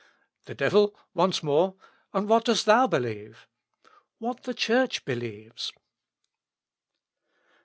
The devil, once more, 'And what dost thou believe?' 'What the Church believes.'"